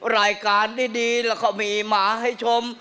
รายการดีแล้วก็มีหมาให้ชม